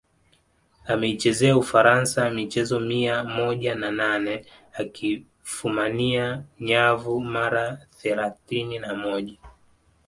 Ameichezea Ufaransa michezo mia moja na nane akifumania nyavu mara thelathini na moja